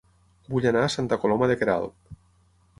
Vull anar a Santa Coloma de Queralt